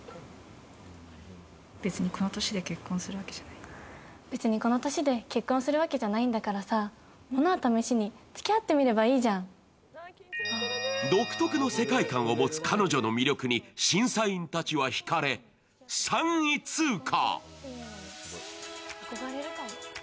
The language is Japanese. えっと別にこの年で結婚するわけじゃないんだからさものは試しに、つきあってみればいいじゃん。独特の世界観を持つ彼女の魅力に審査員たちはひかれ、３位通過。